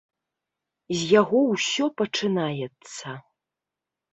З яго ўсё пачынаецца.